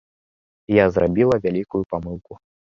Я зрабіла вялікую памылку.